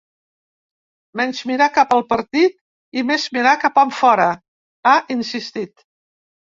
Menys mirar cap al partit i més mirar cap enfora, ha insistit.